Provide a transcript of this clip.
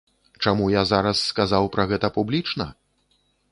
Чаму я зараз сказаў пра гэта публічна?